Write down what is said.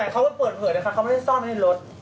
แต่เขาเปิดเผลอเลยค่ะเขาไม่ได้ซ่อมให้รถ